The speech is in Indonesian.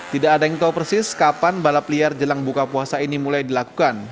tidak ada yang tahu persis kapan balap liar jelang buka puasa ini mulai dilakukan